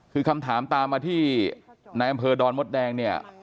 คือคำถามตามมาที่ในอำเภอดอนมดแดงเนี่ย